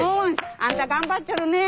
あんた頑張っちょるね。